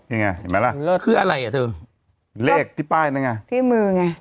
เห็นไหมล่ะคืออะไรอ่ะเธอเลขที่ป้ายนั่นไงที่มือไง